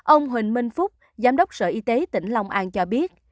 ông huỳnh minh phúc giám đốc sở y tế tỉnh long an cho biết